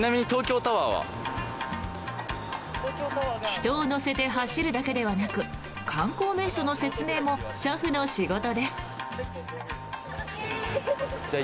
人を乗せて走るだけではなく観光名所の説明も俥夫の仕事です。